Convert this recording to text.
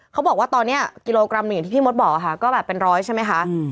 เขาบอกว่าตอนนี้กิโลกรัมหนึ่งอย่างที่พี่มดบอกค่ะก็แบบเป็นร้อยใช่ไหมคะ